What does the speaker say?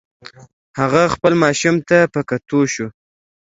هغه خپل ماشوم ته په کتو شو.